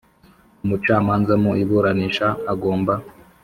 Umucamanza mu iburanisha agomba